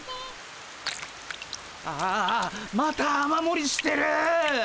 ああまた雨もりしてる！